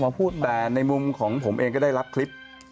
พูดแต่ในมุมของผมเองก็ได้รับคลิป